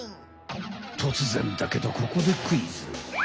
とつぜんだけどここでクイズ。